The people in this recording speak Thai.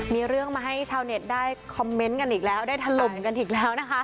มีเรื่องมาให้ชาวเน็ตได้คอมเมนต์กันอีกแล้วได้ถล่มกันอีกแล้วนะคะ